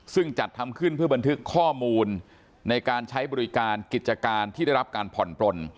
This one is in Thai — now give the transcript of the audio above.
ซึ่งจัดทำขึ้นเพื่อบันทึกข้อมูลในการใช้บริการกิจการที่ได้รับการผ่อนปลน